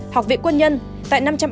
học viện quân nhân